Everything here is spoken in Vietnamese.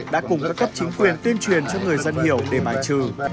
đã cùng các cấp chính quyền tuyên truyền cho người dân hiểu để bài trừ